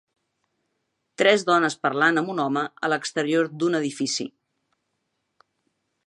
Tres dones parlant amb un home a l'exterior d'un edifici.